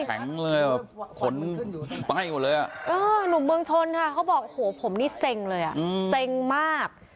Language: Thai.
แข็งเลยอ่ะขนไปกว่าเลยอ่ะอ่าหลวงเมืองชนค่ะเขาบอกโอ้โหผมนี่เซ็งเลยอ่ะเซ็งมาก